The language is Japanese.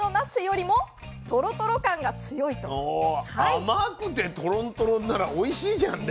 甘くてトロントロンならおいしいじゃんね